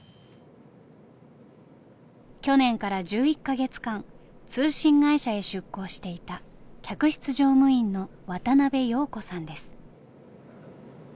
去年から１１か月間通信会社へ出向していた客室乗務員の渡辺瑶子さんです。